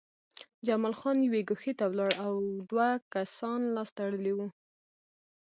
جمال خان یوې ګوښې ته ولاړ و او دوه کسان لاس تړلي وو